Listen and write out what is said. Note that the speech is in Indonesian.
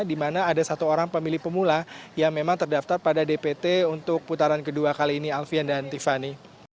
di mana ada satu orang pemilih pemula yang memang terdaftar pada dpt untuk putaran kedua kali ini alfian dan tiffany